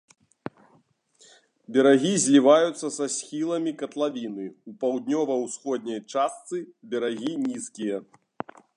Берагі зліваюцца са схіламі катлавіны, у паўднёва-усходняй частцы берагі нізкія.